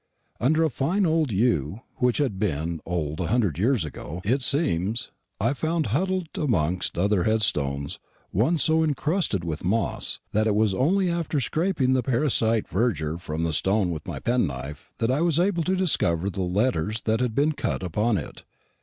Under a fine old yew which had been old a hundred years ago, it seems I found huddled amongst other headstones one so incrusted with moss, that it was only after scraping the parasite verdure from the stone with my penknife that I was able to discover the letters that had been cut upon it.